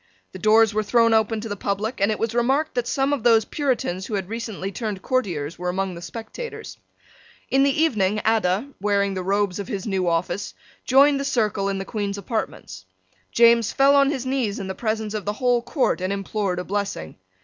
The doors were thrown open to the public; and it was remarked that some of those Puritans who had recently turned courtiers were among the spectators. In the evening Adda, wearing the robes of his new office, joined the circle in the Queen's apartments. James fell on his knees in the presence of the whole court and implored a blessing.